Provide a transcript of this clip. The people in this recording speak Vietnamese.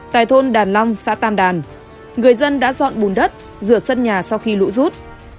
tại thôn đàn long xã tam đàn người dân đã dọn bùn đất rửa sân nhà sau khi lũ rút